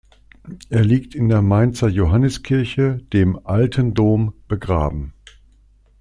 Er liegt in der Mainzer Johanniskirche, dem „alten Dom“, begraben.